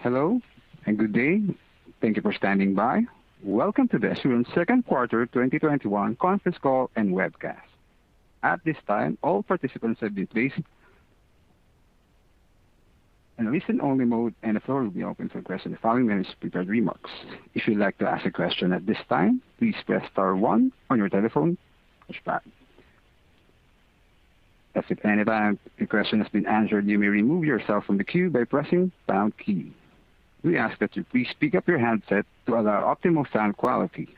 Hello, and good day. Thank you for standing by. Welcome to the Assurant Second Quarter 2021 Conference Call and Webcast. At this time, all participants have been placed in listen-only mode, and the floor will be open for questions following the management's prepared remarks. If you'd like to ask a question at this time, please press star one on your telephone pushpad. If any of your question has been answered, you may remove yourself from the queue by pressing pound key. We ask that you please pick up your handset to allow optimal sound quality.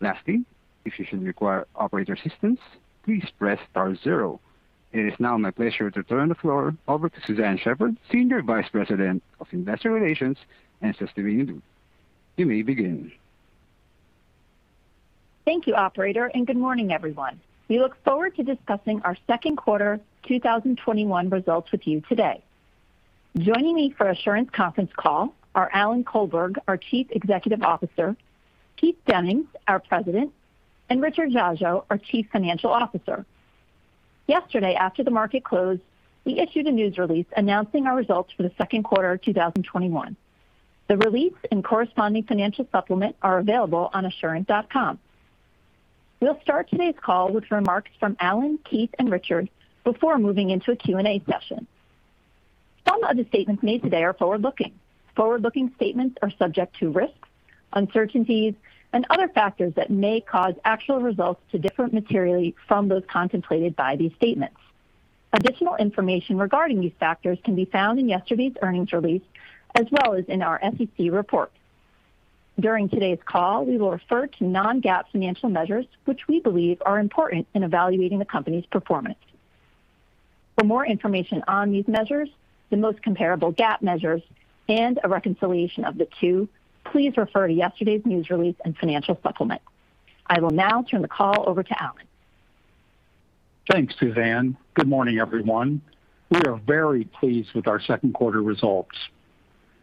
Lastly, if you should require operator assistance, please press star zero. It is now my pleasure to turn the floor over to Suzanne Shepherd, Senior Vice President of Investor Relations and Sustainability. You may begin. Thank you operator. Good morning, everyone. We look forward to discussing our second quarter 2021 results with you today. Joining me for Assurant conference call are Alan Colberg, our Chief Executive Officer, Keith Demmings, our President, and Richard Dziadzio, our Chief Financial Officer. Yesterday after the market closed, we issued a news release announcing our results for the second quarter of 2021. The release and corresponding financial supplement are available on assurant.com. We'll start today's call with remarks from Alan, Keith, and Richard before moving into a Q&A session. Some of the statements made today are forward-looking. Forward-looking statements are subject to risks, uncertainties, and other factors that may cause actual results to differ materially from those contemplated by these statements. Additional information regarding these factors can be found in yesterday's earnings release as well as in our SEC report. During today's call, we will refer to non-GAAP financial measures, which we believe are important in evaluating the company's performance. For more information on these measures, the most comparable GAAP measures, and a reconciliation of the two, please refer to yesterday's news release and financial supplement. I will now turn the call over to Alan. Thanks, Suzanne. Good morning, everyone. We are very pleased with our second quarter results.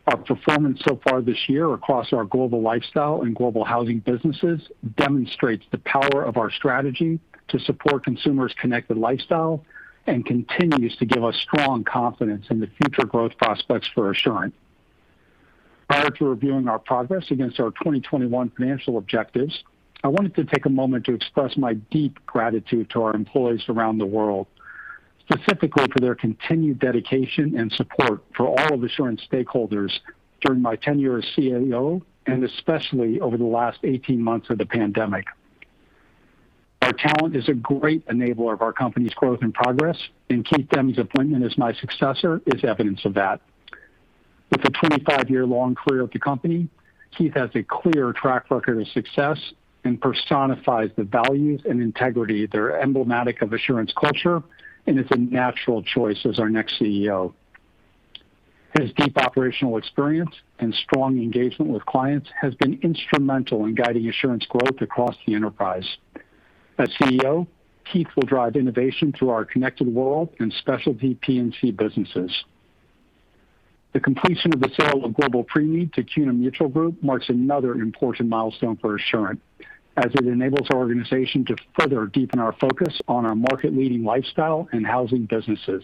Our performance so far this year across our Global Lifestyle and Global Housing businesses demonstrates the power of our strategy to support consumers' connected lifestyle and continues to give us strong confidence in the future growth prospects for Assurant. Prior to reviewing our progress against our 2021 financial objectives, I wanted to take a moment to express my deep gratitude to our employees around the world, specifically for their continued dedication and support for all of Assurant stakeholders during my tenure as CEO, and especially over the last 18 months of the pandemic. Our talent is a great enabler of our company's growth and progress. Keith Demmings's appointment as my successor is evidence of that. With a 25-year-long career at the company, Keith has a clear track record of success and personifies the values and integrity that are emblematic of Assurant's culture and is a natural choice as our next CEO. His deep operational experience and strong engagement with clients has been instrumental in guiding Assurant's growth across the enterprise. As CEO, Keith will drive innovation to our Connected World and specialty P&C businesses. The completion of the sale of Global Preneed to CUNA Mutual Group marks another important milestone for Assurant, as it enables our organization to further deepen our focus on our market-leading lifestyle and housing businesses.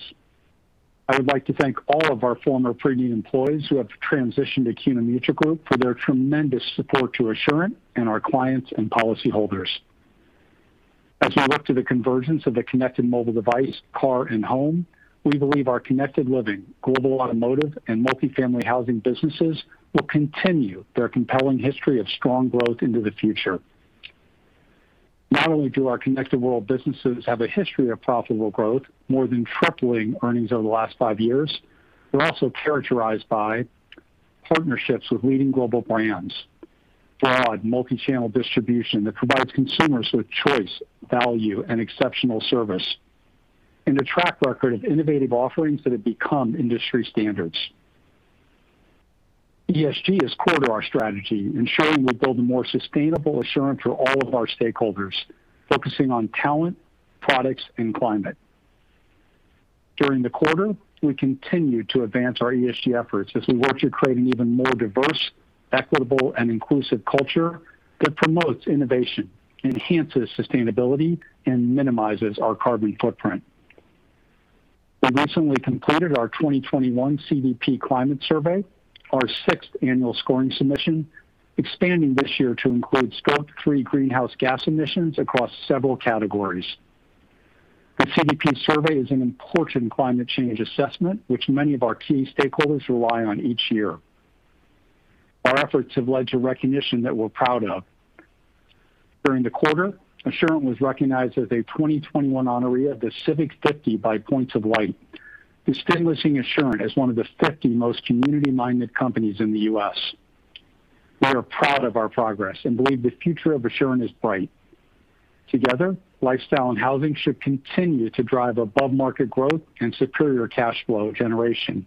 I would like to thank all of our former Preneed employees who have transitioned to CUNA Mutual Group for their tremendous support to Assurant and our clients and policyholders. As we look to the convergence of the connected mobile device, car, and home, we believe our Connected Living, Global Automotive, and Multifamily Housing businesses will continue their compelling history of strong growth into the future. Not only do our Connected World businesses have a history of profitable growth, more than tripling earnings over the last five years, we're also characterized by partnerships with leading global brands, broad multi-channel distribution that provides consumers with choice, value, and exceptional service, and a track record of innovative offerings that have become industry standards. ESG is core to our strategy, ensuring we build a more sustainable Assurant for all of our stakeholders, focusing on talent, products, and climate. During the quarter, we continued to advance our ESG efforts as we work to create an even more diverse, equitable, and inclusive culture that promotes innovation, enhances sustainability, and minimizes our carbon footprint. We recently completed our 2021 CDP Climate Survey, our sixth annual scoring submission, expanding this year to include Scope 3 greenhouse gas emissions across several categories. The CDP survey is an important climate change assessment, which many of our key stakeholders rely on each year. Our efforts have led to recognition that we're proud of. During the quarter, Assurant was recognized as a 2021 honoree of The Civic 50 by Points of Light, distinguishing Assurant as one of the 50 most community-minded companies in the U.S. We are proud of our progress and believe the future of Assurant is bright. Together, Lifestyle and Housing should continue to drive above-market growth and superior cash flow generation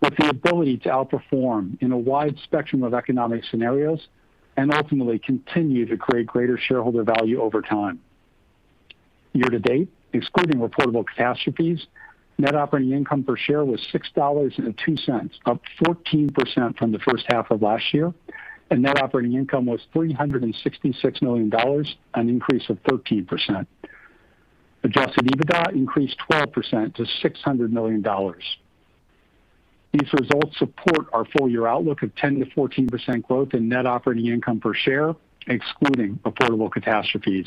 with the ability to outperform in a wide spectrum of economic scenarios and ultimately continue to create greater shareholder value over time. Year to date, excluding reportable catastrophes, Net Operating Income per share was $6.02, up 14% from the first half of last year. Net Operating Income was $366 million, an increase of 13%. Adjusted EBITDA increased 12% to $600 million. These results support our full-year outlook of 10%-14% growth in Net Operating Income per share, excluding reportable catastrophes.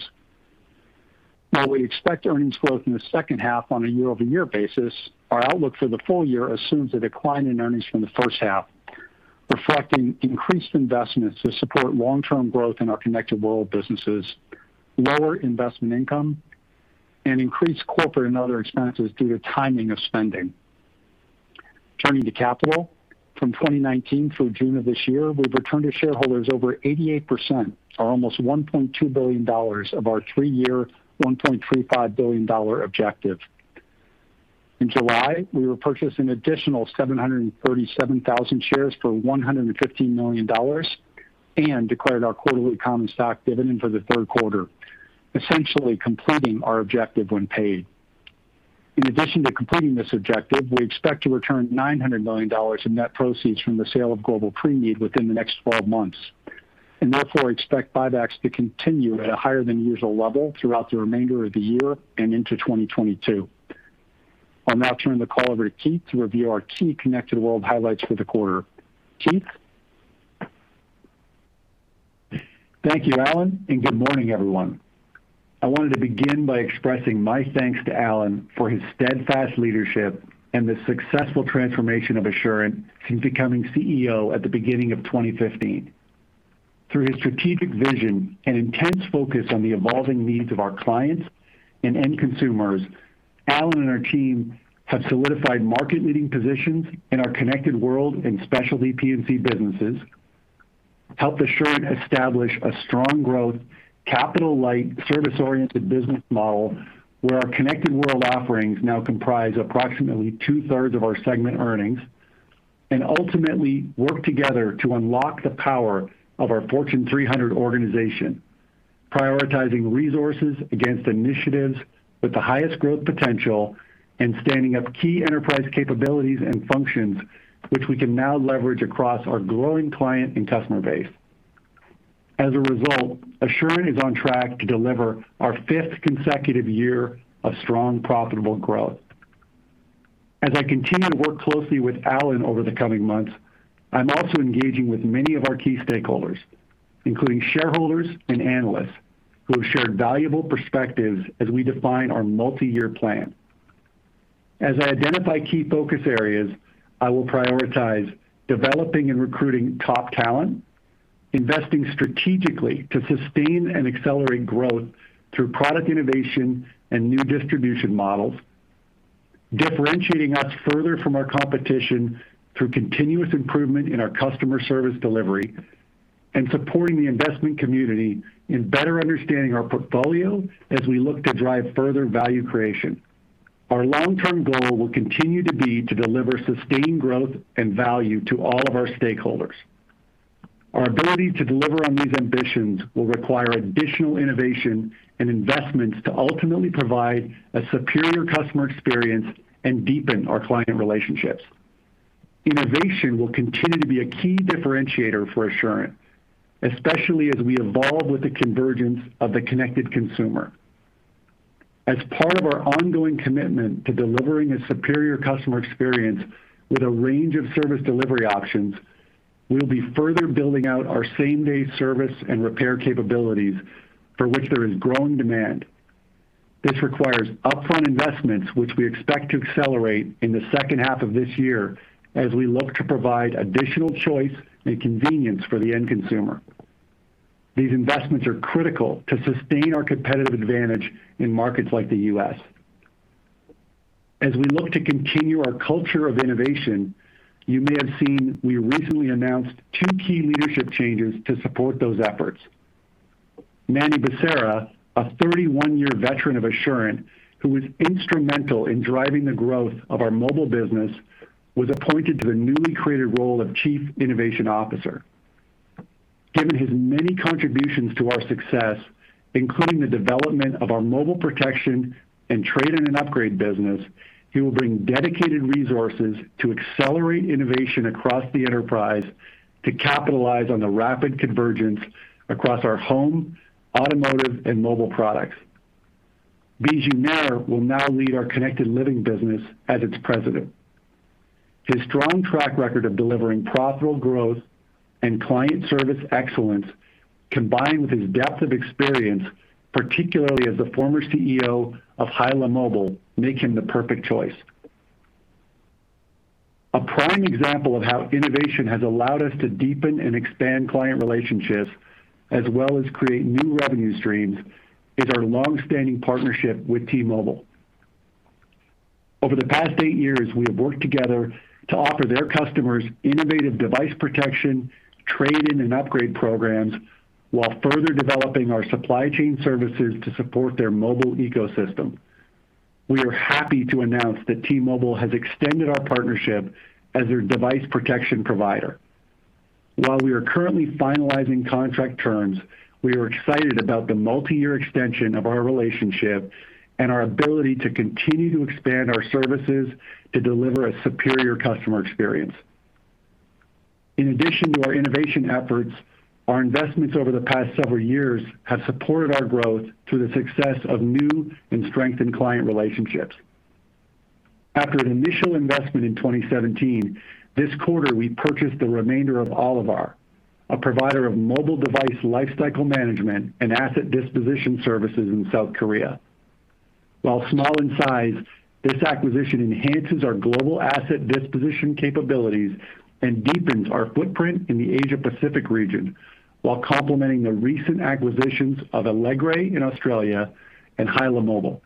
While we expect earnings growth in the second half on a year-over-year basis, our outlook for the full year assumes a decline in earnings from the first half, reflecting increased investments to support long-term growth in our Connected World businesses, lower investment income, and increased corporate and other expenses due to timing of spending. Turning to capital. From 2019 through June of this year, we've returned to shareholders over 88%, or almost $1.2 billion of our three-year $1.35 billion objective. In July, we repurchased an additional 737,000 shares for $115 million and declared our quarterly common stock dividend for the third quarter, essentially completing our objective when paid. In addition to completing this objective, we expect to return $900 million in net proceeds from the sale of Global Preneed within the next 12 months, and therefore expect buybacks to continue at a higher than usual level throughout the remainder of the year and into 2022. I'll now turn the call over to Keith to review our key Connected World highlights for the quarter. Keith? Thank you, Alan. Good morning, everyone. I wanted to begin by expressing my thanks to Alan for his steadfast leadership and the successful transformation of Assurant since becoming CEO at the beginning of 2015. Through his strategic vision and intense focus on the evolving needs of our clients and end consumers, Alan and our team have solidified market-leading positions in our Connected World and specialty P&C businesses, helped Assurant establish a strong growth, capital-light, service-oriented business model where our Connected World offerings now comprise approximately two-thirds of our segment earnings, and ultimately work together to unlock the power of our Fortune 300 organization, prioritizing resources against initiatives with the highest growth potential and standing up key enterprise capabilities and functions which we can now leverage across our growing client and customer base. As a result, Assurant is on track to deliver our fifth consecutive year of strong, profitable growth. As I continue to work closely with Alan over the coming months, I'm also engaging with many of our key stakeholders, including shareholders and analysts, who have shared valuable perspectives as we define our multi-year plan. As I identify key focus areas, I will prioritize developing and recruiting top talent, investing strategically to sustain and accelerate growth through product innovation and new distribution models, differentiating us further from our competition through continuous improvement in our customer service delivery, and supporting the investment community in better understanding our portfolio as we look to drive further value creation. Our long-term goal will continue to be to deliver sustained growth and value to all of our stakeholders. Our ability to deliver on these ambitions will require additional innovation and investments to ultimately provide a superior customer experience and deepen our client relationships. Innovation will continue to be a key differentiator for Assurant, especially as we evolve with the convergence of the connected consumer. As part of our ongoing commitment to delivering a superior customer experience with a range of service delivery options, we'll be further building out our same-day service and repair capabilities, for which there is growing demand. This requires upfront investments, which we expect to accelerate in the second half of this year as we look to provide additional choice and convenience for the end consumer. These investments are critical to sustain our competitive advantage in markets like the U.S. As we look to continue our culture of innovation, you may have seen we recently announced two key leadership changes to support those efforts. Manny Becerra, a 31-year veteran of Assurant, who was instrumental in driving the growth of our mobile business, was appointed to the newly created role of Chief Innovation Officer. Given his many contributions to our success, including the development of our mobile protection and trade-in and upgrade business, he will bring dedicated resources to accelerate innovation across the enterprise to capitalize on the rapid convergence across our home, automotive, and mobile products. Biju Nair will now lead our Connected Living business as its President. His strong track record of delivering profitable growth and client service excellence, combined with his depth of experience, particularly as the former CEO of HYLA Mobile, make him the perfect choice. A prime example of how innovation has allowed us to deepen and expand client relationships as well as create new revenue streams is our long-standing partnership with T-Mobile. Over the past eight years, we have worked together to offer their customers innovative device protection, trade-in and upgrade programs, while further developing our supply chain services to support their mobile ecosystem. We are happy to announce that T-Mobile has extended our partnership as their device protection provider. While we are currently finalizing contract terms, we are excited about the multi-year extension of our relationship and our ability to continue to expand our services to deliver a superior customer experience. In addition to our innovation efforts, our investments over the past several years have supported our growth through the success of new and strengthened client relationships. After an initial investment in 2017, this quarter, we purchased the remainder of Olivar, a provider of mobile device lifecycle management and asset disposition services in South Korea. While small in size, this acquisition enhances our global asset disposition capabilities and deepens our footprint in the Asia-Pacific region, while complementing the recent acquisitions of Alegre in Australia and HYLA Mobile.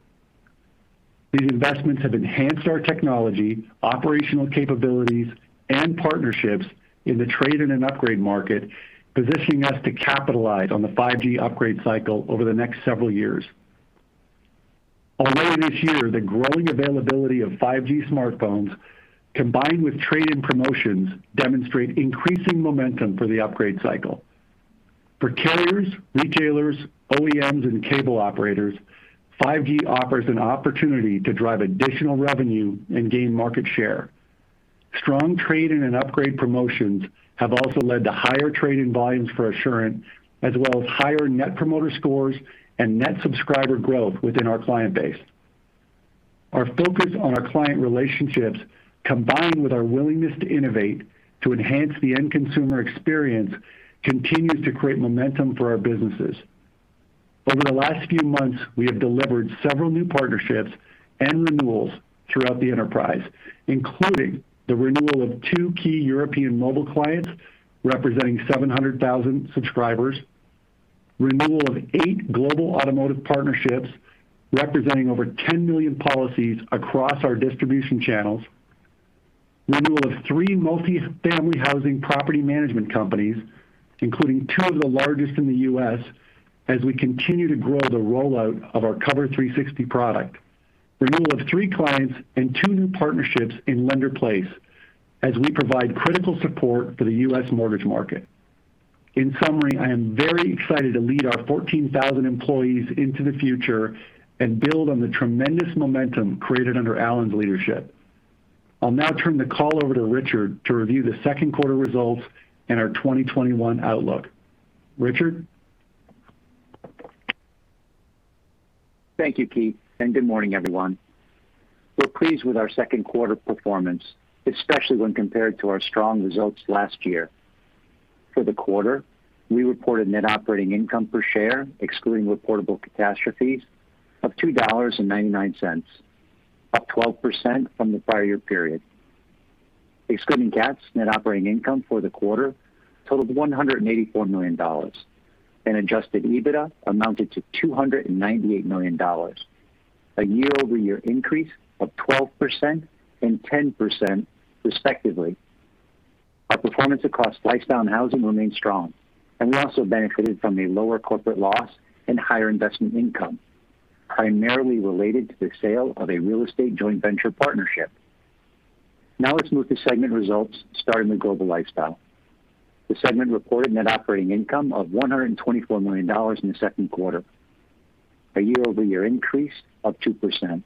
These investments have enhanced our technology, operational capabilities, and partnerships in the trade-in and upgrade market, positioning us to capitalize on the 5G upgrade cycle over the next several years. Already this year, the growing availability of 5G smartphones, combined with trade-in promotions, demonstrate increasing momentum for the upgrade cycle. For carriers, retailers, OEMs, and cable operators, 5G offers an opportunity to drive additional revenue and gain market share. Strong trade-in and upgrade promotions have also led to higher trade-in volumes for Assurant, as well as higher net promoter scores and net subscriber growth within our client base. Our focus on our client relationships, combined with our willingness to innovate to enhance the end consumer experience, continues to create momentum for our businesses. Over the last several months, we have delivered several new partnerships and renewals throughout the enterprise, including the renewal of two key European mobile clients representing 700,000 subscribers, renewal of eight Global Automotive partnerships representing over 10 million policies across our distribution channels, renewal of three Multifamily Housing property management companies, including two of the largest in the U.S. as we continue to grow the rollout of our Cover360 product, renewal of three clients and two new partnerships in Lender-Placed as we provide critical support for the U.S. mortgage market. In summary, I am very excited to lead our 14,000 employees into the future and build on the tremendous momentum created under Alan's leadership. I'll now turn the call over to Richard to review the second quarter results and our 2021 outlook. Richard? Thank you, Keith. Good morning, everyone. We're pleased with our second quarter performance, especially when compared to our strong results last year. For the quarter, we reported Net Operating Income per share, excluding reportable catastrophes, of $2.99, up 12% from the prior year period. Excluding cats, Net Operating Income for the quarter totaled $184 million. Adjusted EBITDA amounted to $298 million, a year-over-year increase of 12% and 10% respectively. Our performance across Lifestyle and Housing remains strong. We also benefited from a lower corporate loss and higher investment income, primarily related to the sale of a real estate joint venture partnership. Now let's move to segment results, starting with Global Lifestyle. The segment reported Net Operating Income of $124 million in the second quarter, a year-over-year increase of 2%.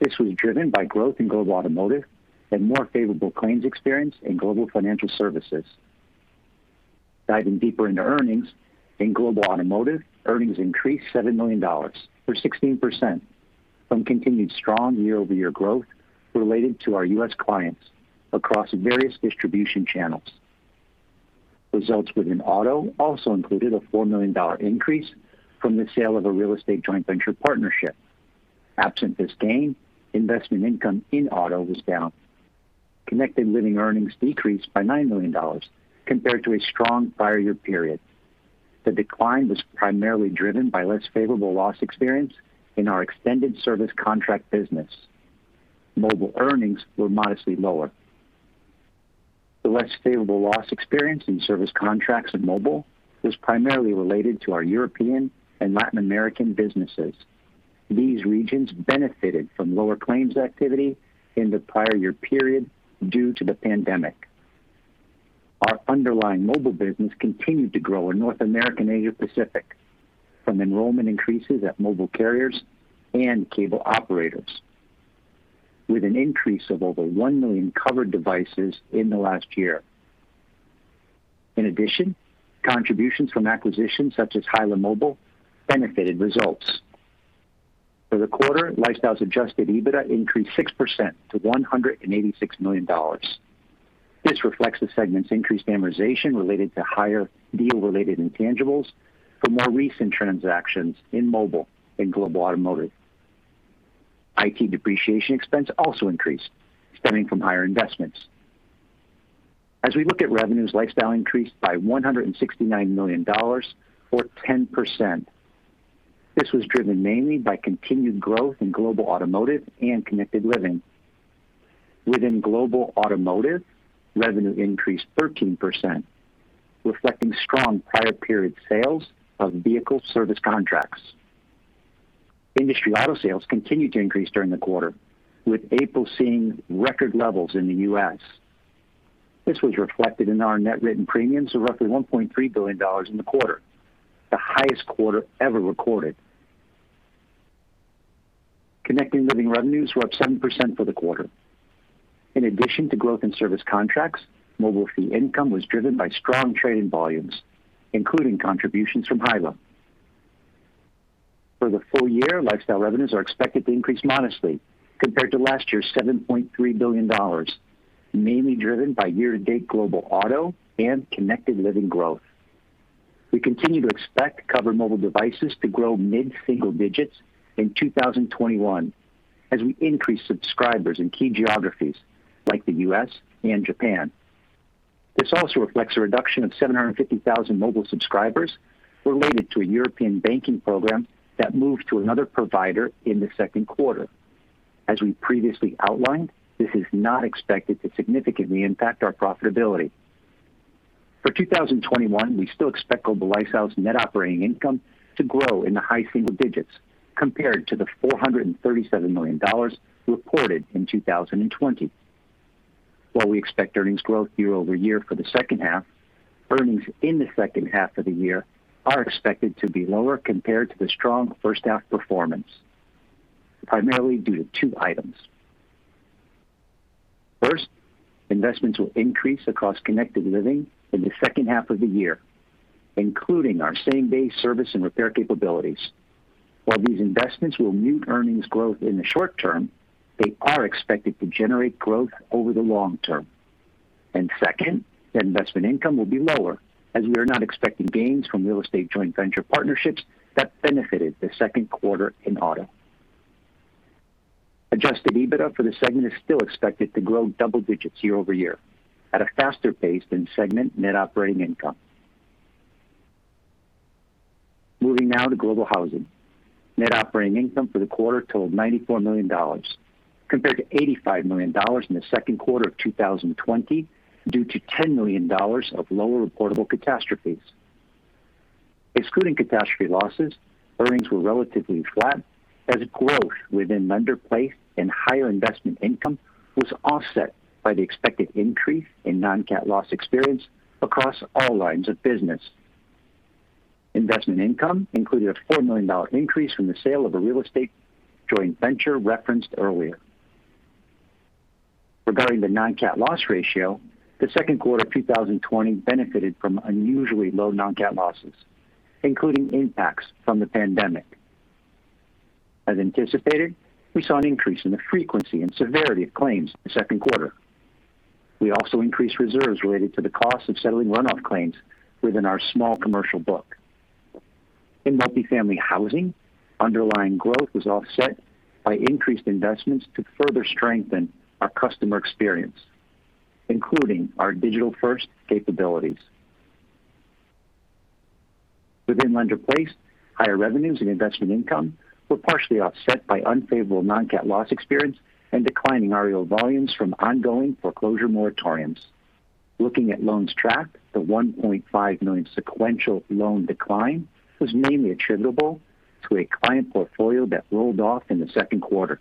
This was driven by growth in Global Automotive and more favorable claims experience in Global Financial Services. Diving deeper into earnings, in Global Automotive, earnings increased $7 million or 16% from continued strong year-over-year growth related to our U.S. clients across various distribution channels. Results within Auto also included a $4 million increase from the sale of a real estate joint venture partnership. Absent this gain, investment income in Auto was down. Connected Living earnings decreased by $9 million compared to a strong prior year period. The decline was primarily driven by less favorable loss experience in our extended service contract business. Mobile earnings were modestly lower. The less favorable loss experience in service contracts in Mobile was primarily related to our European and Latin American businesses. These regions benefited from lower claims activity in the prior year period due to the pandemic. Our underlying mobile business continued to grow in North America and Asia Pacific from enrollment increases at mobile carriers and cable operators, with an increase of over 1 million covered devices in the last year. In addition, contributions from acquisitions such as HYLA Mobile benefited results. For the quarter, Lifestyle's Adjusted EBITDA increased 6% to $186 million. This reflects the segment's increased amortization related to higher deal-related intangibles for more recent transactions in Mobile and Global Automotive. IT depreciation expense also increased, stemming from higher investments. As we look at revenues, Lifestyle increased by $169 million or 10%. This was driven mainly by continued growth in Global Automotive and Connected Living. Within Global Automotive, revenue increased 13%, reflecting strong prior period sales of vehicle service contracts. Industry auto sales continued to increase during the quarter, with April seeing record levels in the U.S. This was reflected in our net written premiums of roughly $1.3 billion in the quarter, the highest quarter ever recorded. Connected Living revenues were up 7% for the quarter. In addition to growth in service contracts, mobile fee income was driven by strong trading volumes, including contributions from HYLA. For the full year, Lifestyle revenues are expected to increase modestly compared to last year's $7.3 billion, mainly driven by year-to-date Global Auto and Connected Living growth. We continue to expect covered mobile devices to grow mid-single digits in 2021 as we increase subscribers in key geographies like the U.S. and Japan. This also reflects a reduction of 750,000 mobile subscribers related to a European banking program that moved to another provider in the second quarter. As we previously outlined, this is not expected to significantly impact our profitability. For 2021, we still expect Global Lifestyle Net Operating Income to grow in the high single digits compared to the $437 million reported in 2020. While we expect earnings growth year-over-year for the second half, earnings in the second half of the year are expected to be lower compared to the strong first half performance, primarily due to two items. First, investments will increase across Connected Living in the second half of the year, including our same-day service and repair capabilities. While these investments will mute earnings growth in the short term, they are expected to generate growth over the long term. Second, the investment income will be lower as we are not expecting gains from real estate joint venture partnerships that benefited the second quarter in Auto. Adjusted EBITDA for the segment is still expected to grow double digits year over year at a faster pace than segment Net Operating Income. Moving now to Global Housing. Net Operating Income for the quarter totaled $94 million, compared to $85 million in the second quarter of 2020 due to $10 million of lower reportable catastrophes. Excluding catastrophe losses, earnings were relatively flat as growth within Lender-Placed and higher investment income was offset by the expected increase in non-cat loss experience across all lines of business. Investment income included a $4 million increase from the sale of a real estate joint venture referenced earlier. Regarding the non-cat loss ratio, the second quarter of 2020 benefited from unusually low non-cat losses, including impacts from the pandemic. As anticipated, we saw an increase in the frequency and severity of claims in the second quarter. We also increased reserves related to the cost of settling runoff claims within our small commercial book. In Multifamily Housing, underlying growth was offset by increased investments to further strengthen our customer experience, including our digital-first capabilities. Within Lender-Placed, higher revenues and investment income were partially offset by unfavorable non-cat loss experience and declining REO volumes from ongoing foreclosure moratoriums. Looking at loans tracked, the 1.5 million sequential loan decline was mainly attributable to a client portfolio that rolled off in the second quarter.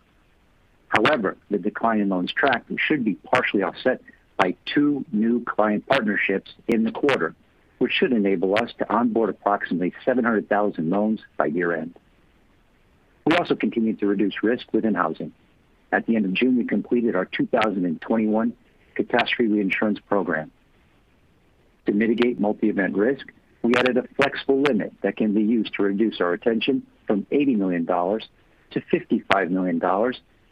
The decline in loans tracking should be partially offset by two new client partnerships in the quarter, which should enable us to onboard approximately 700,000 loans by year-end. We also continued to reduce risk within Housing. At the end of June, we completed our 2021 catastrophe reinsurance program. To mitigate multi-event risk, we added a flexible limit that can be used to reduce our retention from $80 million-$55 million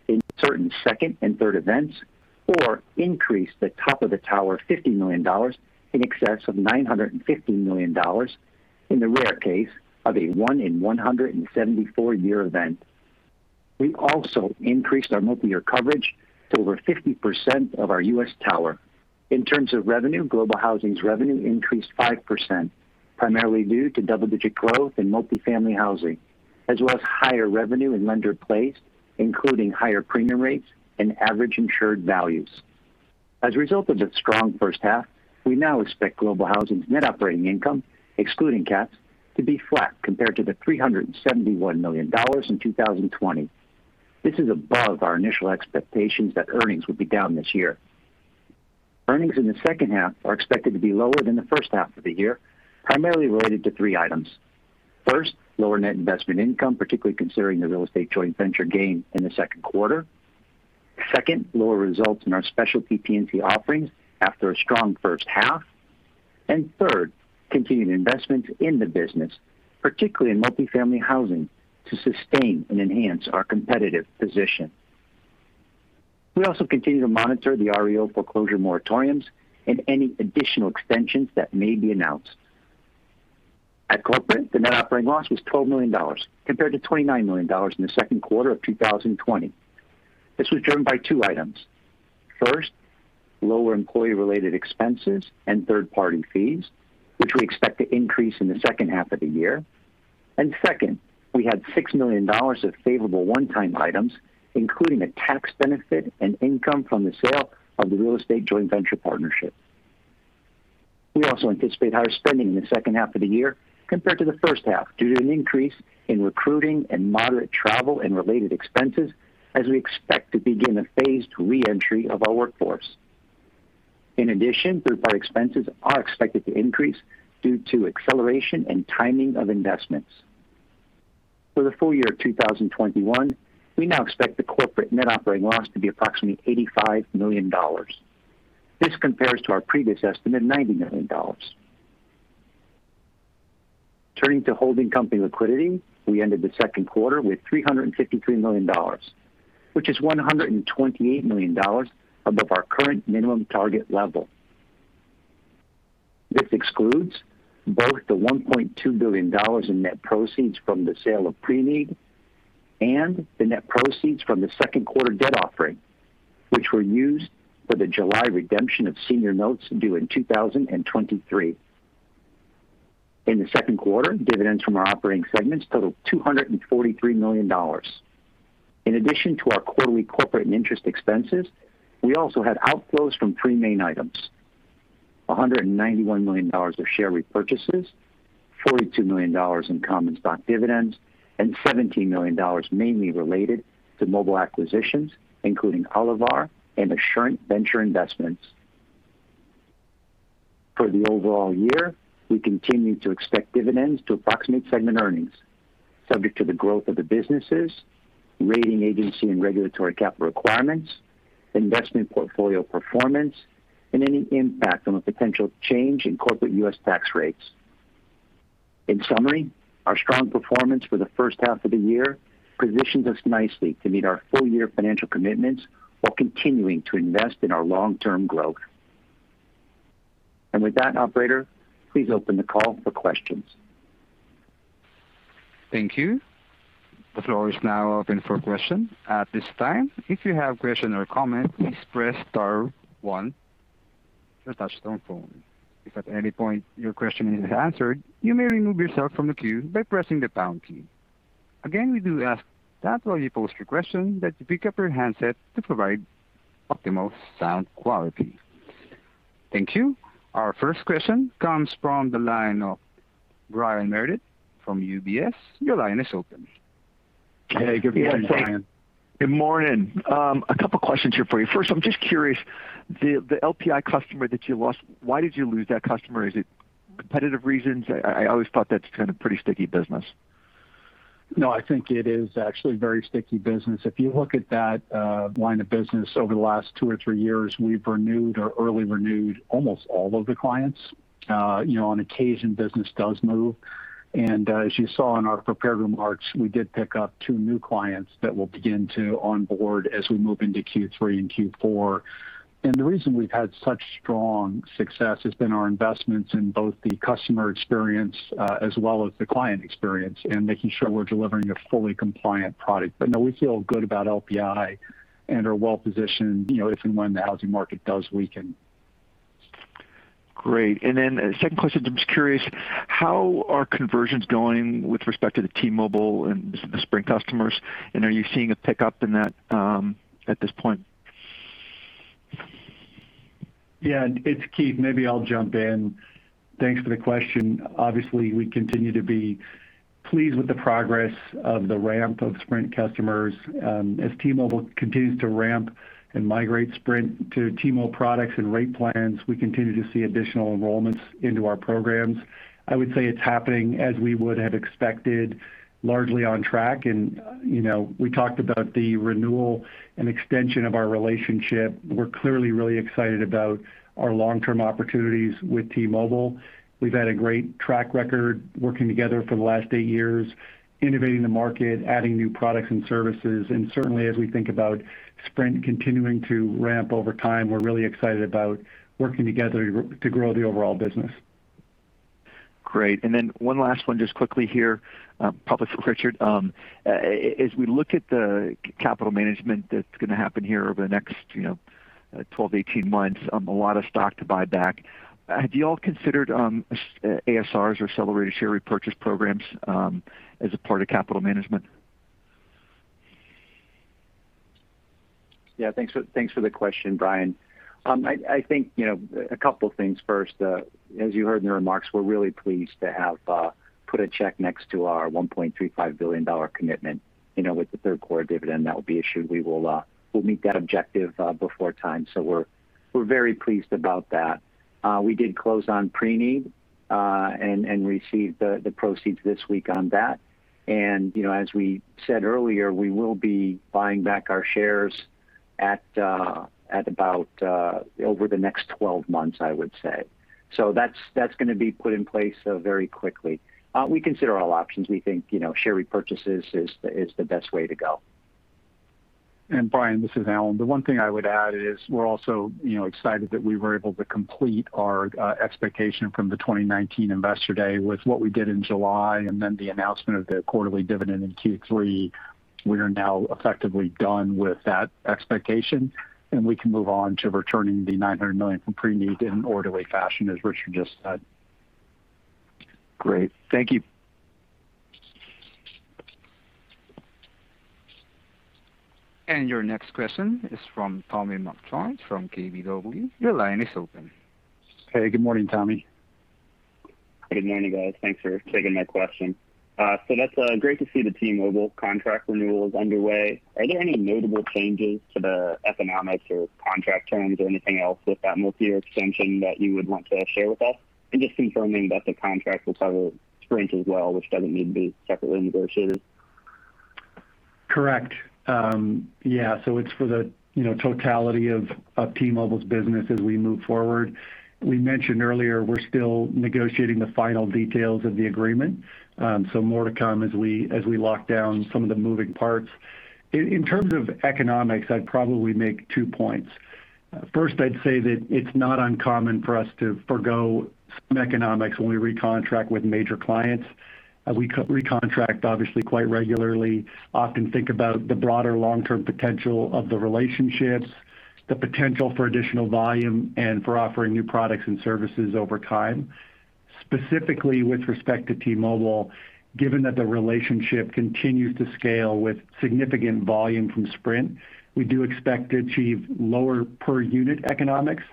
in certain second and third events, or increase the top of the tower $50 million in excess of $950 million in the rare case of a 1 in 174-year event. We also increased our multi-year coverage to over 50% of our U.S. tower. In terms of revenue, Global Housing's revenue increased 5%, primarily due to double-digit growth in Multifamily Housing, as well as higher revenue in Lender-Placed, including higher premium rates and average insured values. As a result of the strong first half, we now expect Global Housing's Net Operating Income, excluding cats, to be flat compared to the $371 million in 2020. This is above our initial expectations that earnings would be down this year. Earnings in the second half are expected to be lower than the first half of the year, primarily related to three items. First, lower net investment income, particularly considering the real estate joint venture gain in the second quarter. Second, lower results in our specialty P&C offerings after a strong first half. Third, continued investment in the business, particularly in Multifamily Housing, to sustain and enhance our competitive position. We also continue to monitor the REO foreclosure moratoriums and any additional extensions that may be announced. At Corporate, the net operating loss was $12 million compared to $29 million in the second quarter of 2020. This was driven by two items. First, lower employee-related expenses and third-party fees, which we expect to increase in the second half of the year. Second, we had $6 million of favorable one-time items, including a tax benefit and income from the sale of the real estate joint venture partnership. We also anticipate higher spending in the second half of the year compared to the first half due to an increase in recruiting and moderate travel and related expenses as we expect to begin a phased reentry of our workforce. In addition, third-party expenses are expected to increase due to acceleration and timing of investments. For the full year 2021, we now expect the corporate Net Operating Loss to be approximately $85 million. This compares to our previous estimate, $90 million. Turning to holding company liquidity, we ended the second quarter with $353 million, which is $128 million above our current minimum target level. This excludes both the $1.2 billion in net proceeds from the sale of Preneed and the net proceeds from the second quarter debt offering, which were used for the July redemption of senior notes due in 2023. In the second quarter, dividends from our operating segments totaled $243 million. In addition to our quarterly corporate and interest expenses, we also had outflows from three main items: $191 million of share repurchases, $42 million in common stock dividends, and $17 million mainly related to mobile acquisitions, including Olivar and Assurant venture investments. For the overall year, we continue to expect dividends to approximate segment earnings, subject to the growth of the businesses, rating agency and regulatory capital requirements, investment portfolio performance, and any impact on a potential change in corporate U.S. tax rates. In summary, our strong performance for the first half of the year positions us nicely to meet our full-year financial commitments while continuing to invest in our long-term growth. With that, operator, please open the call for questions. Thank you. The floor is now open for question. At this time, if you have question or comment, please press star one on your touch tone phone. If at any point your question is answered, you may remove yourself from the queue by pressing the pound key. Again, we do ask that while you pose your question, that you pick up your handset to provide optimal sound quality. Thank you. Our first question comes from the line of Brian Meredith from UBS. Your line is open. Hey, good morning, Brian. Good morning. A couple questions here for you. First, I'm just curious, the LPI customer that you lost, why did you lose that customer? Is it competitive reasons? I always thought that's kind of pretty sticky business. No, I think it is actually very sticky business. If you look at that line of business over the last two or three years, we've renewed or early renewed almost all of the clients. On occasion, business does move, and as you saw in our prepared remarks, we did pick up two new clients that we'll begin to onboard as we move into Q3 and Q4. The reason we've had such strong success has been our investments in both the customer experience as well as the client experience, and making sure we're delivering a fully compliant product. No, we feel good about LPI and are well-positioned if and when the housing market does weaken. Great. Second question, I'm just curious, how are conversions going with respect to the T-Mobile and the Sprint customers, and are you seeing a pickup in that at this point? It's Keith. Maybe I'll jump in. Thanks for the question. Obviously, we continue to be pleased with the progress of the ramp of Sprint customers. As T-Mobile continues to ramp and migrate Sprint to T-Mobile products and rate plans, we continue to see additional enrollments into our programs. I would say it's happening as we would have expected, largely on track. We talked about the renewal and extension of our relationship. We're clearly really excited about our long-term opportunities with T-Mobile. We've had a great track record working together for the last eight years, innovating the market, adding new products and services, certainly as we think about Sprint continuing to ramp over time, we're really excited about working together to grow the overall business. Great. One last one just quickly here, probably for Richard. As we look at the capital management that's going to happen here over the next 12, 18 months, a lot of stock to buy back. Have you all considered ASRs or accelerated share repurchase programs as a part of capital management? Yeah. Thanks for the question, Brian. I think a couple of things first. As you heard in the remarks, we're really pleased to have put a check next to our $1.35 billion commitment. With the third quarter dividend that will be issued, we'll meet that objective before time. We're very pleased about that. We did close on Preneed, and received the proceeds this week on that. As we said earlier, we will be buying back our shares at about over the next 12 months, I would say. That's going to be put in place very quickly. We consider all options. We think share repurchases is the best way to go. Brian, this is Alan. The one thing I would add is we're also excited that we were able to complete our expectation from the 2019 Investor Day with what we did in July and then the announcement of the quarterly dividend in Q3. We are now effectively done with that expectation, and we can move on to returning the $900 million from Preneed in an orderly fashion, as Richard just said. Great. Thank you. Your next question is from Tommy McJoynt from KBW. Your line is open. Hey, good morning, Tommy. Good morning, guys. Thanks for taking my question. That's great to see the T-Mobile contract renewal is underway. Are there any notable changes to the economics or contract terms or anything else with that multi-year extension that you would want to share with us? Just confirming that the contract will cover Sprint as well, which doesn't need to be separately negotiated. Correct. Yeah. It's for the totality of T-Mobile's business as we move forward. We mentioned earlier we're still negotiating the final details of the agreement. More to come as we lock down some of the moving parts. In terms of economics, I'd probably make two points. First, I'd say that it's not uncommon for us to forgo some economics when we recontract with major clients. We recontract obviously quite regularly, often think about the broader long-term potential of the relationships, the potential for additional volume, and for offering new products and services over time. Specifically with respect to T-Mobile, given that the relationship continues to scale with significant volume from Sprint, we do expect to achieve lower per-unit economics,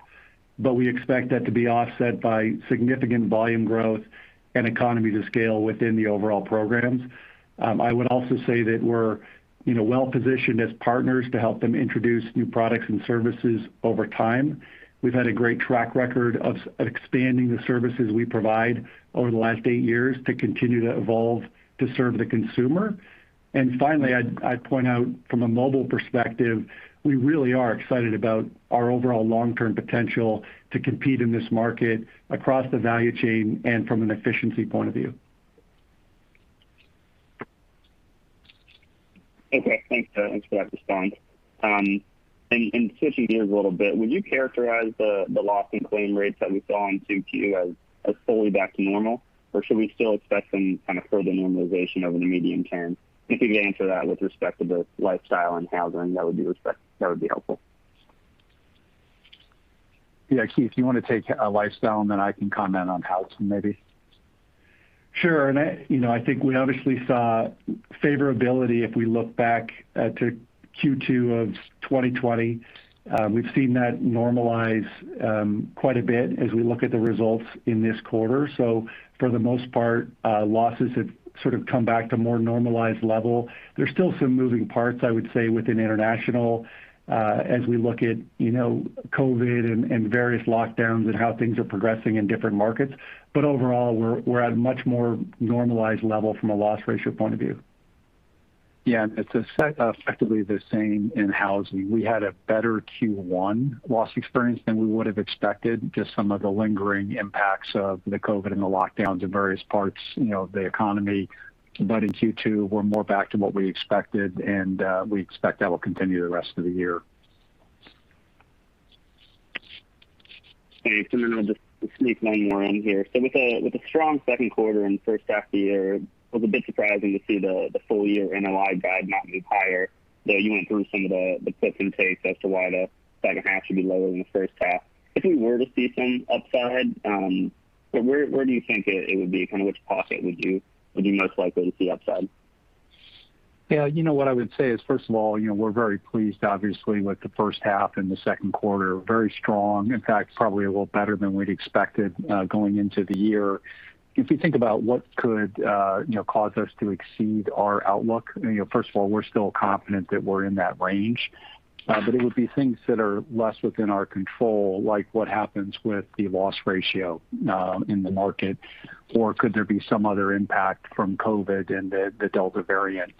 but we expect that to be offset by significant volume growth and economy to scale within the overall programs. I would also say that we're well-positioned as partners to help them introduce new products and services over time. We've had a great track record of expanding the services we provide over the last eight years to continue to evolve to serve the consumer. Finally, I'd point out from a mobile perspective, we really are excited about our overall long-term potential to compete in this market across the value chain and from an efficiency point of view. Okay. Thanks for that response. Switching gears a little bit, would you characterize the loss and claim rates that we saw in 2Q as fully back to normal, or should we still expect some kind of further normalization over the medium term? If you could answer that with respect to both Lifestyle and Housing, that would be helpful. Yeah. Keith, you want to take Lifestyle, and then I can comment on Housing maybe? Sure. I think we obviously saw favorability if we look back to Q2 of 2020. We've seen that normalize quite a bit as we look at the results in this quarter. For the most part, losses have sort of come back to more normalized level. There's still some moving parts, I would say, within international, as we look at COVID and various lockdowns and how things are progressing in different markets. Overall, we're at a much more normalized level from a loss ratio point of view. It's effectively the same in housing. We had a better Q1 loss experience than we would've expected, just some of the lingering impacts of the COVID and the lockdowns in various parts of the economy. In Q2, we're more back to what we expected, and we expect that will continue the rest of the year. Thanks. I'll just sneak one more in here. With a strong second quarter and first half of the year, it was a bit surprising to see the full year NOI guide not move higher, though you went through some of the gives and takes as to why the second half should be lower than the first half. If we were to see some upside, where do you think it would be? Which pocket would you most likely see upside? What I would say is, first of all, we're very pleased obviously with the first half and the second quarter. Very strong, in fact, probably a little better than we'd expected going into the year. If you think about what could cause us to exceed our outlook, first of all, we're still confident that we're in that range. It would be things that are less within our control, like what happens with the loss ratio in the market, or could there be some other impact from COVID and the Delta variant?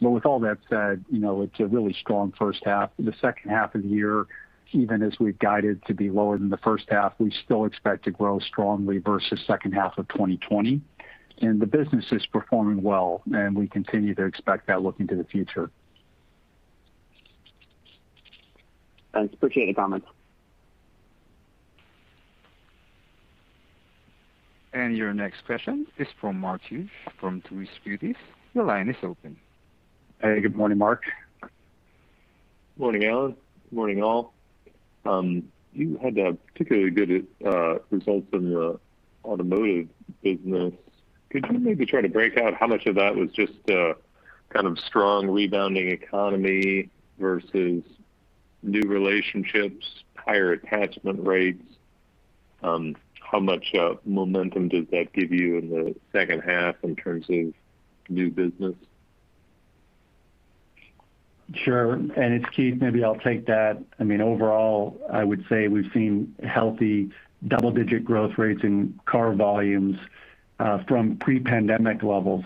With all that said, it's a really strong first half. The second half of the year, even as we've guided to be lower than the first half, we still expect to grow strongly versus second half of 2020. The business is performing well, and we continue to expect that looking to the future. Thanks. Appreciate the comments. Your next question is from Mark Hughes from Truist Securities. Your line is open. Hey, good morning, Mark. Morning, Alan. Morning, all. You had particularly good results in your automotive business. Could you maybe try to break out how much of that was just a kind of strong rebounding economy versus new relationships, higher attachment rates? How much momentum does that give you in the second half in terms of new business? Sure. It's Keith. Maybe I'll take that. Overall, I would say we've seen healthy double-digit growth rates in car volumes from pre-pandemic levels.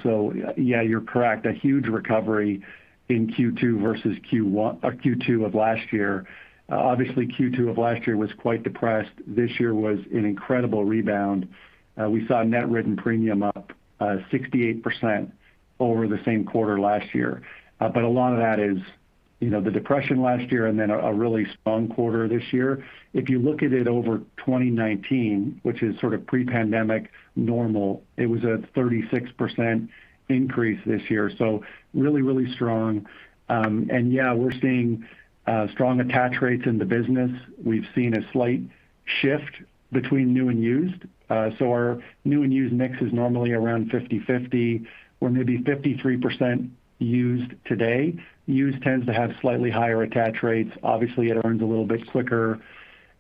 Yeah, you're correct, a huge recovery in Q2 versus Q2 of last year. Obviously, Q2 of last year was quite depressed. This year was an incredible rebound. We saw net written premium up 68% over the same quarter last year. A lot of that is the depression last year and then a really strong quarter this year. If you look at it over 2019, which is sort of pre-pandemic normal, it was a 36% increase this year. Really, really strong. Yeah, we're seeing strong attach rates in the business. We've seen a slight shift between new and used. Our new and used mix is normally around 50/50. We're maybe 53% used today. Used tends to have slightly higher attach rates. Obviously, it earns a little bit quicker.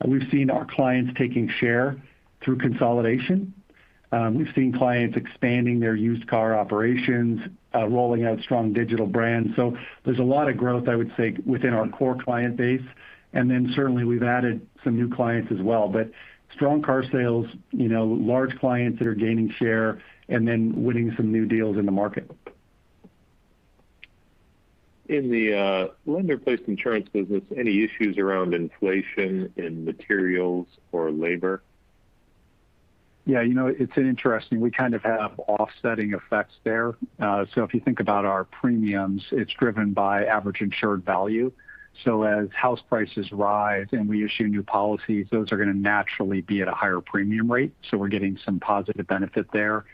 We've seen our clients taking share through consolidation. We've seen clients expanding their used car operations, rolling out strong digital brands. There's a lot of growth, I would say, within our core client base, certainly we've added some new clients as well. Strong car sales, large clients that are gaining share winning some new deals in the market. In the Lender-Placed insurance business, any issues around inflation in materials or labor? Yeah. It's interesting. We kind of have offsetting effects there. If you think about our premiums, it's driven by average insured value. As house prices rise and we issue new policies, those are going to naturally be at a higher premium rate, so we're getting some positive benefit there.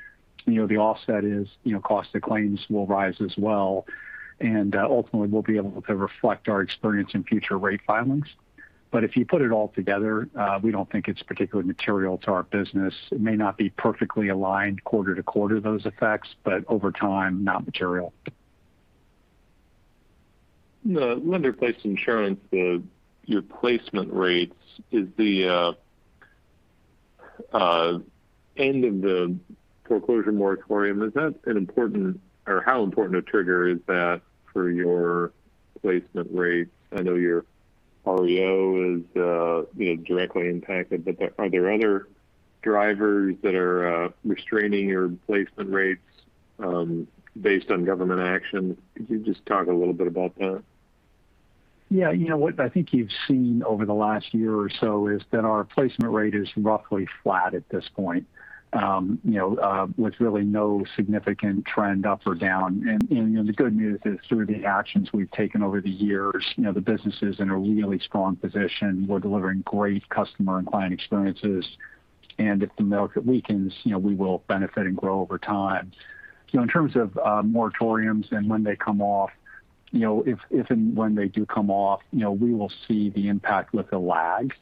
The offset is cost of claims will rise as well, and ultimately, we'll be able to reflect our experience in future rate filings. If you put it all together, we don't think it's particularly material to our business. It may not be perfectly aligned quarter to quarter, those effects, but over time, not material. The Lender-Placed insurance, your placement rates, is the end of the foreclosure moratorium, is that an important, or how important a trigger is that for your placement rates? I know your REO is directly impacted, but are there other drivers that are restraining your placement rates based on government action? Could you just talk a little bit about that? Yeah. What I think you've seen over the last year or so is that our placement rate is roughly flat at this point with really no significant trend up or down. The good news is through the actions we've taken over the years, the business is in a really strong position. We're delivering great customer and client experiences, and if the market weakens, we will benefit and grow over time. In terms of moratoriums and when they come off, if and when they do come off, we will see the impact with a lag.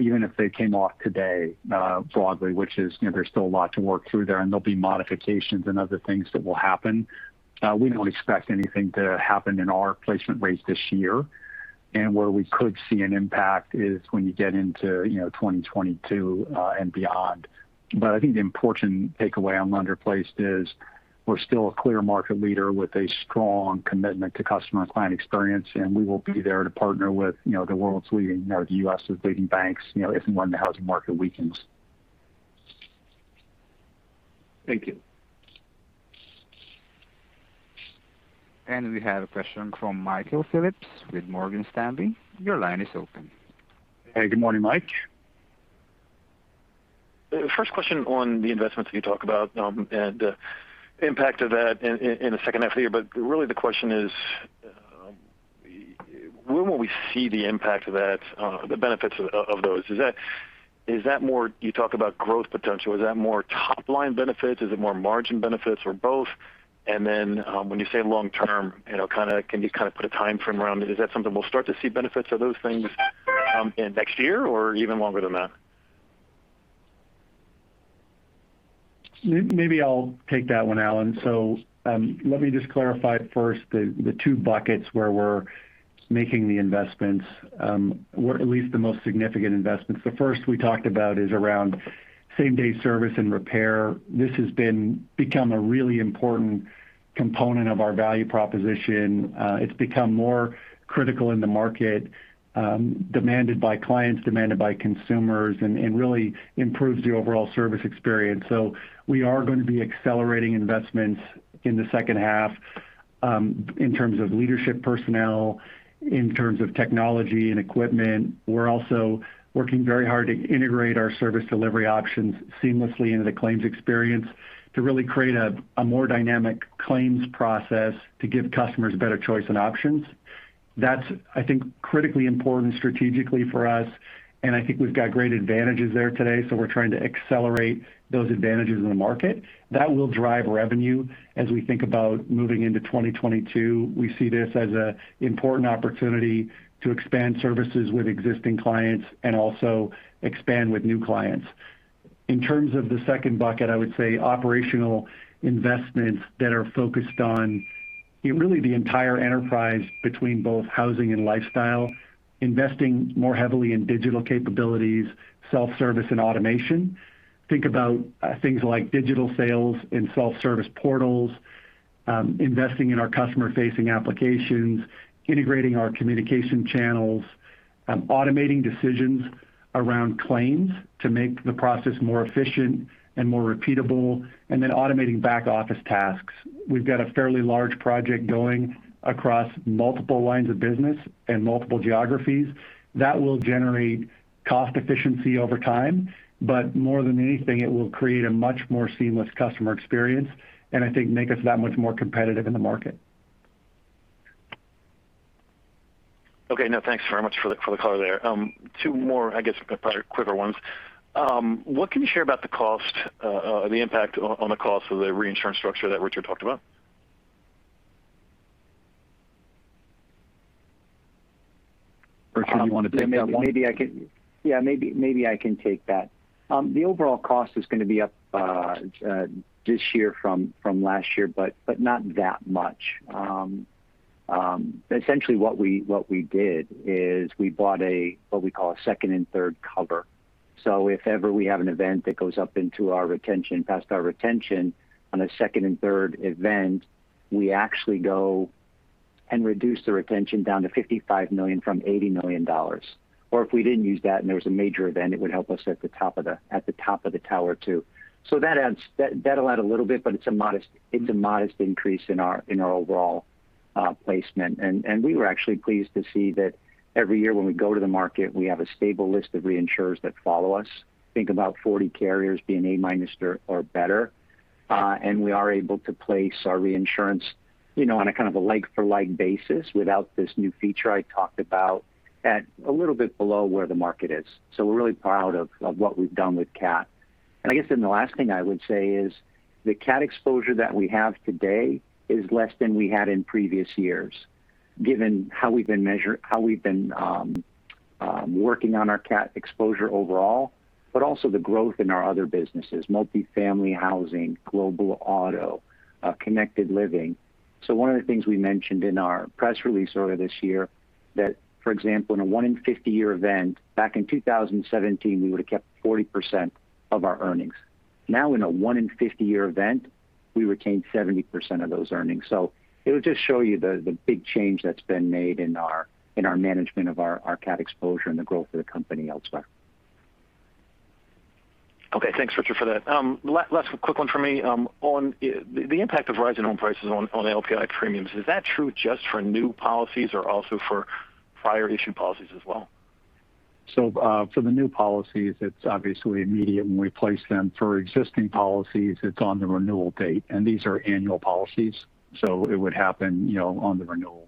Even if they came off today broadly, which is there's still a lot to work through there, and there'll be modifications and other things that will happen. We don't expect anything to happen in our placement rates this year. Where we could see an impact is when you get into 2022, and beyond. I think the important takeaway on Lender-Placed is we're still a clear market leader with a strong commitment to customer and client experience, and we will be there to partner with the U.S.' leading banks if and when the housing market weakens. Thank you. We have a question from Michael Phillips with Morgan Stanley. Your line is open. Hey, good morning, Mike. First question on the investments that you talk about, and the impact of that in the second half of the year. Really the question is, when will we see the impact of that, the benefits of those? You talk about growth potential, is that more top-line benefits? Is it more margin benefits or both? Then, when you say long-term, can you put a timeframe around it? Is that something we'll start to see benefits of those things in next year or even longer than that? Maybe I'll take that one, Alan. Let me just clarify first the two buckets where we're making the investments, or at least the most significant investments. The first we talked about is around same-day service and repair. This has become a really important component of our value proposition. It's become more critical in the market, demanded by clients, demanded by consumers, and really improves the overall service experience. We are going to be accelerating investments in the second half, in terms of leadership personnel, in terms of technology and equipment. We're also working very hard to integrate our service delivery options seamlessly into the claims experience to really create a more dynamic claims process to give customers better choice and options. That's, I think, critically important strategically for us, and I think we've got great advantages there today, so we're trying to accelerate those advantages in the market. That will drive revenue as we think about moving into 2022. We see this as an important opportunity to expand services with existing clients and also expand with new clients. In terms of the second bucket, I would say operational investments that are focused on really the entire enterprise between both housing and lifestyle, investing more heavily in digital capabilities, self-service, and automation. Think about things like digital sales and self-service portals, investing in our customer-facing applications, integrating our communication channels, automating decisions around claims to make the process more efficient and more repeatable, and then automating back-office tasks. We've got a fairly large project going across multiple lines of business and multiple geographies that will generate cost efficiency over time, but more than anything, it will create a much more seamless customer experience and I think make us that much more competitive in the market. Okay. No, thanks very much for the color there. Two more, I guess, probably quicker ones. What can you share about the impact on the cost of the reinsurance structure that Richard talked about? Richard, you want to take that one? Yeah, maybe I can take that. The overall cost is going to be up this year from last year, but not that much. Essentially what we did is we bought what we call a second and third cover. If ever we have an event that goes up into our retention, past our retention on a second and third event, we actually go and reduce the retention down to $55 million from $80 million. If we didn't use that and there was a major event, it would help us at the top of the tower too. That'll add a little bit, but it's a modest increase in our overall placement. We were actually pleased to see that every year when we go to the market, we have a stable list of reinsurers that follow us. Think about 40 carriers being A minus or better. We are able to place our reinsurance on a kind of a like for like basis without this new feature I talked about at a little bit below where the market is. We're really proud of what we've done with CAT. I guess then the last thing I would say is the CAT exposure that we have today is less than we had in previous years, given how we've been working on our CAT exposure overall, but also the growth in our other businesses, Multifamily Housing, Global Auto, Connected Living. One of the things we mentioned in our press release earlier this year, that for example, in a one in 50 year event back in 2017, we would've kept 40% of our earnings. Now in a one in 50 year event, we retain 70% of those earnings. It would just show you the big change that's been made in our management of our CAT exposure and the growth of the company elsewhere. Okay. Thanks Richard, for that. Last quick one for me. On the impact of rising home prices on LPI premiums, is that true just for new policies or also for prior issued policies as well? For the new policies, it's obviously immediate when we place them. For existing policies, it's on the renewal date, and these are annual policies, so it would happen on the renewal.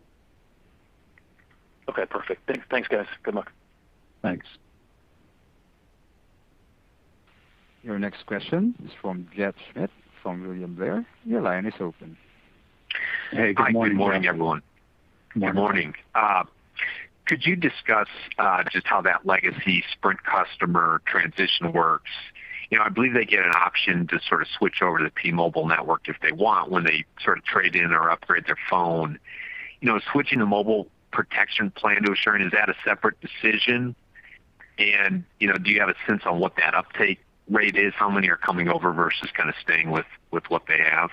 Okay, perfect. Thanks guys. Good luck. Thanks. Your next question is from Jeff Schmitt from William Blair. Your line is open. Hey, good morning. Hi. Good morning, everyone. Good morning. Could you discuss just how that legacy Sprint customer transition works? I believe they get an option to sort of switch over to the T-Mobile network if they want, when they trade in or upgrade their phone. Switching the mobile protection plan to Assurant, is that a separate decision? Do you have a sense on what that uptake rate is? How many are coming over versus kind of staying with what they have?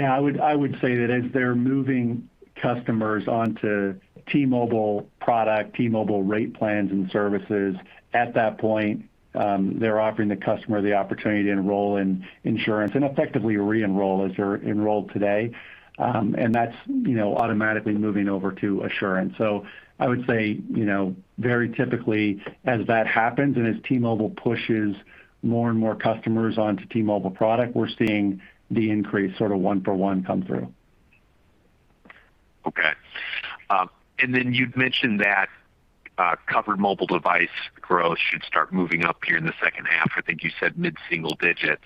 I would say that as they're moving customers onto T-Mobile product, T-Mobile rate plans and services at that point, they're offering the customer the opportunity to enroll in insurance and effectively re-enroll as they're enrolled today. That's automatically moving over to Assurant. I would say, very typically as that happens and as T-Mobile pushes more and more customers onto T-Mobile product, we're seeing the increase sort of one for one come through. Okay. You'd mentioned that covered mobile device growth should start moving up here in the second half. I think you said mid-single digits.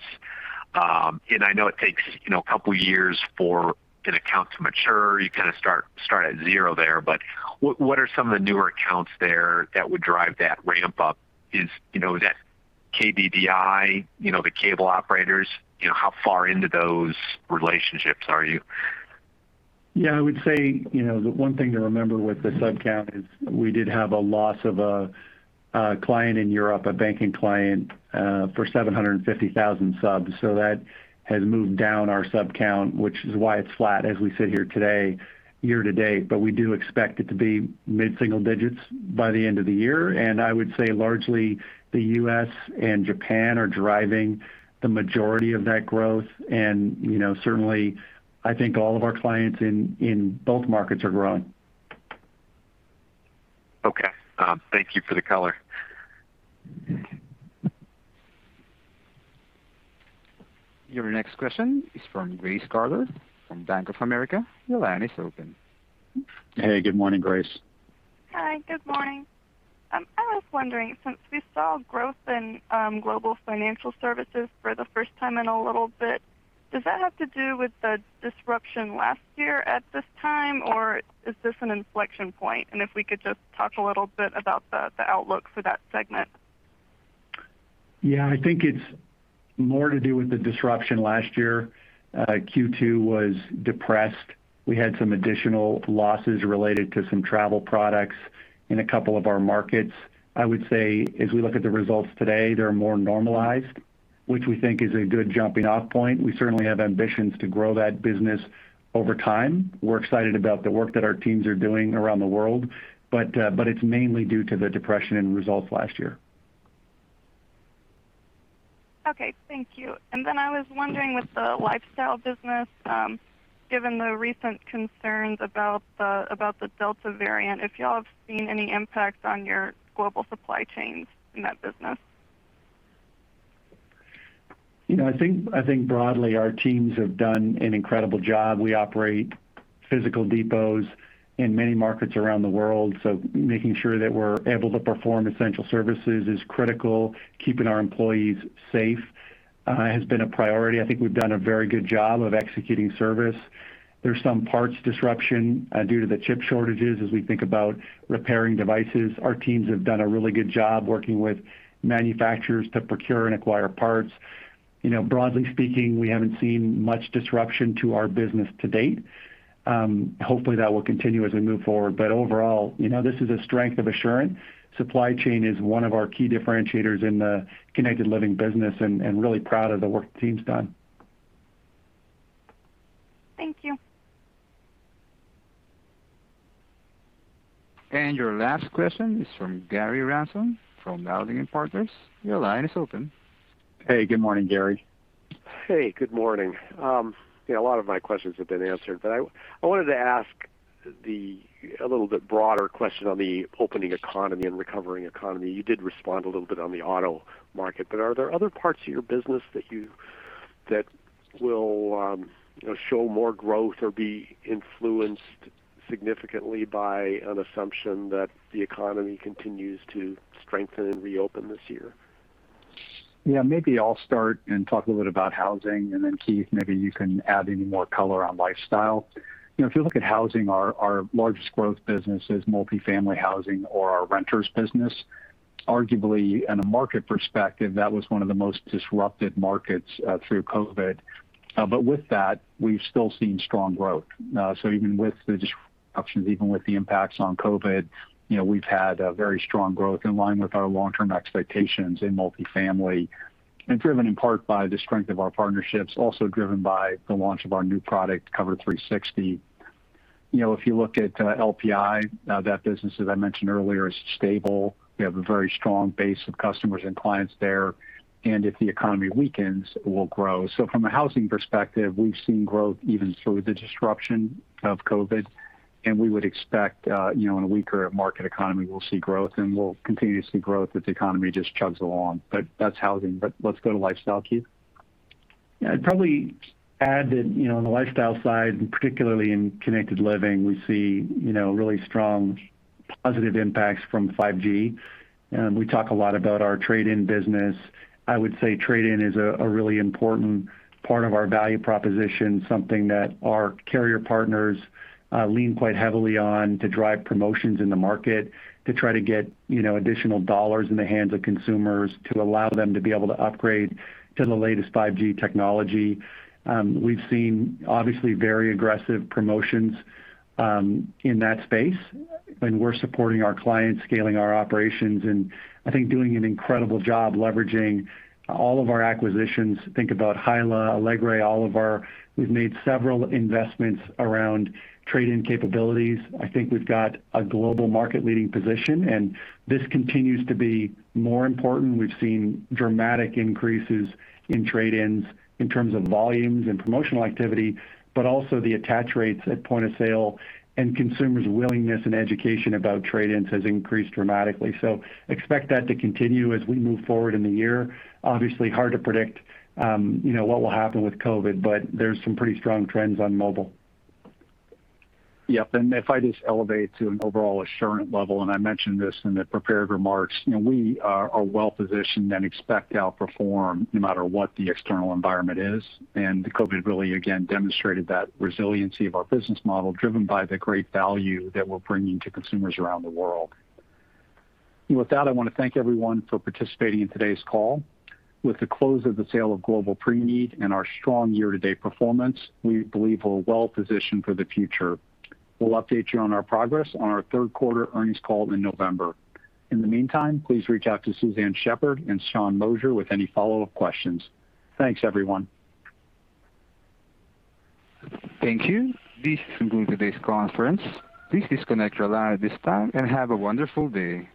I know it takes a couple years for an account to mature. You kind of start at zero there, but what are some of the newer accounts there that would drive that ramp up? Is that KDDI, the cable operators, how far into those relationships are you? Yeah, I would say, the one thing to remember with the sub count is we did have a loss of a client in Europe, a banking client, for 750,000 subs. That has moved down our sub count, which is why it's flat as we sit here today, year to date. We do expect it to be mid-single digits by the end of the year. I would say largely the U.S. and Japan are driving the majority of that growth. Certainly I think all of our clients in both markets are growing. Okay. Thank you for the color. Your next question is from Grace Carter from Bank of America. Your line is open. Hey, good morning, Grace. Hi, good morning. I was wondering, since we saw growth in Global Financial Services for the first time in a little bit, does that have to do with the disruption last year at this time, or is this an inflection point? If we could just talk a little bit about the outlook for that segment. Yeah, I think it's more to do with the disruption last year. Q2 was depressed. We had some additional losses related to some travel products in a couple of our markets. I would say as we look at the results today, they're more normalized, which we think is a good jumping off point. We certainly have ambitions to grow that business over time. We're excited about the work that our teams are doing around the world, but it's mainly due to the depression in results last year. Okay, thank you. I was wondering with the Lifestyle business, given the recent concerns about the Delta variant, if y'all have seen any impact on your global supply chains in that business? I think broadly our teams have done an incredible job. We operate physical depots in many markets around the world, so making sure that we're able to perform essential services is critical. Keeping our employees safe has been a priority. I think we've done a very good job of executing service. There's some parts disruption due to the chip shortages as we think about repairing devices. Our teams have done a really good job working with manufacturers to procure and acquire parts. Broadly speaking, we haven't seen much disruption to our business to date. Hopefully, that will continue as we move forward. Overall, this is a strength of Assurant. Supply chain is one of our key differentiators in the Connected Living business, and really proud of the work the team's done. Thank you. Your last question is from Gary Ransom from Dowling & Partners. Your line is open. Hey, good morning, Gary. Hey, good morning. A lot of my questions have been answered. I wanted to ask a little bit broader question on the opening economy and recovering economy. You did respond a little bit on the auto market, but are there other parts of your business that will show more growth or be influenced significantly by an assumption that the economy continues to strengthen and reopen this year? Maybe I'll start and talk a little bit about Housing, and then Keith, maybe you can add any more color on Lifestyle. If you look at Housing, our largest growth business is Multifamily Housing or our renters business. Arguably, in a market perspective, that was one of the most disrupted markets through COVID. With that, we've still seen strong growth. Even with the disruptions, even with the impacts on COVID, we've had a very strong growth in line with our long-term expectations in Multifamily and driven in part by the strength of our partnerships, also driven by the launch of our new product, Cover360. If you look at LPI, that business, as I mentioned earlier, is stable. We have a very strong base of customers and clients there, and if the economy weakens, it will grow. From a housing perspective, we've seen growth even through the disruption of COVID, and we would expect, in a weaker market economy, we'll see growth and we'll continue to see growth if the economy just chugs along. That's housing. Let's go to lifestyle, Keith. I'd probably add that on the lifestyle side, and particularly in Connected Living, we see really strong positive impacts from 5G. We talk a lot about our trade-in business. I would say trade-in is a really important part of our value proposition, something that our carrier partners lean quite heavily on to drive promotions in the market to try to get additional dollars in the hands of consumers to allow them to be able to upgrade to the latest 5G technology. We've seen obviously very aggressive promotions in that space, and we're supporting our clients, scaling our operations, and I think doing an incredible job leveraging all of our acquisitions. Think about HYLA, Alegre. We've made several investments around trade-in capabilities. I think we've got a global market leading position, and this continues to be more important. We've seen dramatic increases in trade-ins in terms of volumes and promotional activity, but also the attach rates at point of sale and consumers' willingness and education about trade-ins has increased dramatically. Expect that to continue as we move forward in the year. Obviously hard to predict what will happen with COVID, but there's some pretty strong trends on mobile. Yep. If I just elevate to an overall Assurant level, I mentioned this in the prepared remarks, we are well positioned and expect to outperform no matter what the external environment is. COVID really, again, demonstrated that resiliency of our business model, driven by the great value that we're bringing to consumers around the world. With that, I want to thank everyone for participating in today's call. With the close of the sale of Global Preneed and our strong year-to-date performance, we believe we're well positioned for the future. We'll update you on our progress on our third quarter earnings call in November. In the meantime, please reach out to Suzanne Shepherd and Sean Moshier with any follow-up questions. Thanks, everyone. Thank you. This concludes today's conference. Please disconnect your line at this time, and have a wonderful day.